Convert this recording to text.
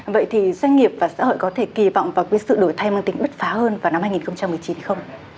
vậy thì doanh nghiệp và xã hội có thể kỳ vọng và quyết sự đổi thay mang tính bất phá hơn vào năm hai nghìn một mươi chín không